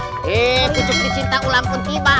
kucuk dicinta ulang pun tiba amin